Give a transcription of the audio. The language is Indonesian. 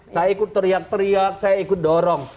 saya ikut teriak teriak saya ikut dorong